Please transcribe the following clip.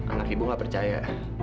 anak ibu gak percaya